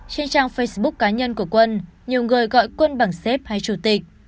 trên trang facebook cá nhân của quân nhiều người gọi quân bằng xếp hay chủ tịch